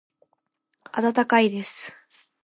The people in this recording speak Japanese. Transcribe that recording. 温かいです。